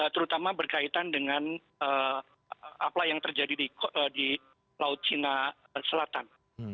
terutama berkaitan dengan apa yang terjadi di laut cina selatan